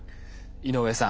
井上さん